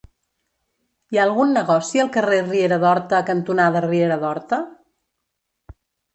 Hi ha algun negoci al carrer Riera d'Horta cantonada Riera d'Horta?